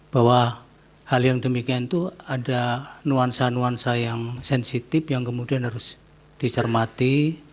bahwa hal yang demikian itu ada nuansa nuansa yang sensitif yang kemudian harus dicermati